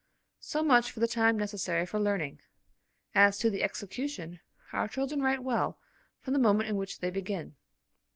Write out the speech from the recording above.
So much for the time necessary for learning. As to the execution, our children write well from the moment in which they begin.